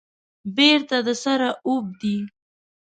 بیرته د سره اوبدي